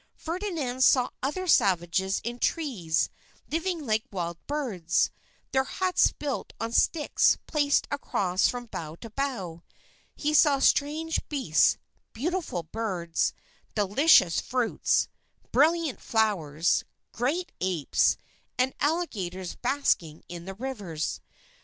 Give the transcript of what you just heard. Ferdinand saw other savages in trees living like wild birds, their huts built on sticks placed across from bough to bough. He saw strange beasts, beautiful birds, delicious fruits, brilliant flowers, great apes, and alligators basking in the rivers.